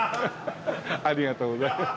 ありがとうございます。